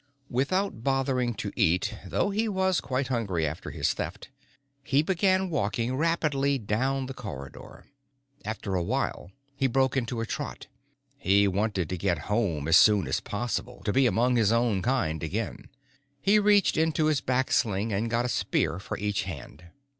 Without bothering to eat, though he was quite hungry after his Theft, he began walking rapidly down the corridor. After a while, he broke into a trot. He wanted to get home as soon as possible to be among his own kind again. He reached into his back sling and got a spear for each hand.